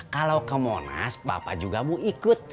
kalau ke monas bapak juga mau ikut